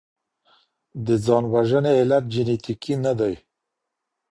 د ځان وژني علت جنيټيکي نه دی.